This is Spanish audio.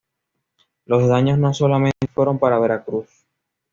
Los daños no solamente fueron para Veracruz.